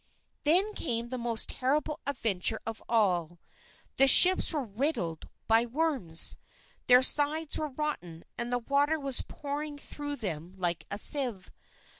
Then came the most terrible adventure of all. The ships were riddled by worms, their sides were rotten, and the water was pouring through them like a sieve.